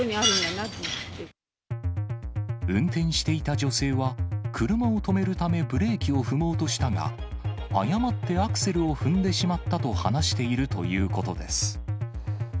運転していた女性は、車を止めるためブレーキを踏もうとしたが、誤ってアクセルを踏んでしまったと話しているということです。